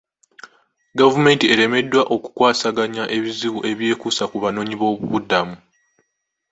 Gavumenti eremereddwa okukwasaganya ebizibu ebyekuusa ku banoonyiboobubudamu.